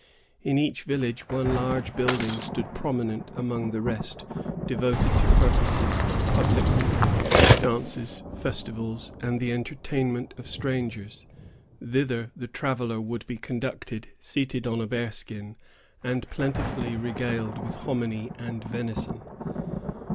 In each village one large building stood prominent among the rest, devoted to purposes of public meeting, dances, festivals, and the entertainment of strangers. Thither the traveller would be conducted, seated on a bear skin, and plentifully regaled with hominy and venison.